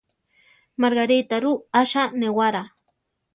Margarita ru, atza néwará.